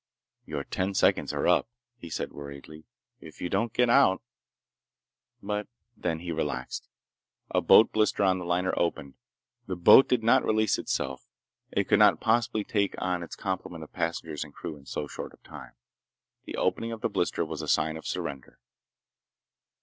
"Your ten seconds are up," he said worriedly. "If you don't get out—" But then he relaxed. A boat blister on the liner opened. The boat did not release itself. It could not possibly take on its complement of passengers and crew in so short a time. The opening of the blister was a sign of surrender.